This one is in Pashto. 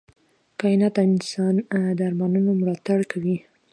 کائنات د انسان د ارمانونو ملاتړ کوي.